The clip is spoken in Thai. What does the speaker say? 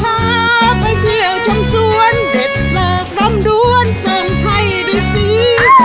แล้วพาไปเที่ยวช่องสวนเด็ดเลิกล้อมด้วนเสริมไทยดีซี